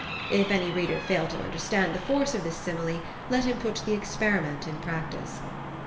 (If any reader fail to understand the force of this simile, let him put the experiment in practice.)